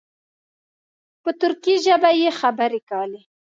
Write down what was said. په ترکي ژبه یې خبرې کولې.